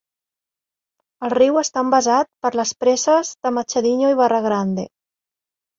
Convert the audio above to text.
El riu està embassat per les preses de Machadinho i Barra Grande.